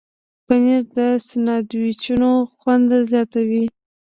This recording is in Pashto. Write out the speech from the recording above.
پنېر د ساندویچونو خوند زیاتوي.